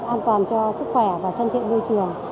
an toàn cho sức khỏe và thân thiện môi trường